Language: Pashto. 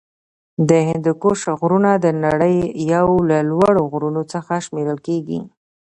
د هندوکش غرونه د نړۍ یو له لوړو غرونو څخه شمېرل کیږی.